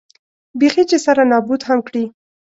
بېخي چې سره نابود هم کړي.